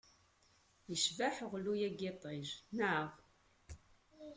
Yecbeḥ uɣelluy-a n yiṭij, neɣ?